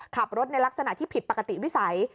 ขับรถในลักษณะที่ผิดปกติวิสัย